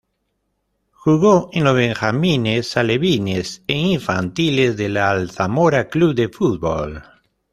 Jugó en los benjamines, alevines, e infantiles del Alzamora Club de Fútbol.